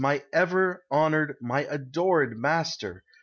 my ever honoured, my adored master!